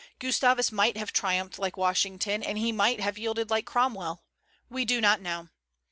Gustavus might have triumphed like Washington, and he might have yielded like Cromwell. We do not know.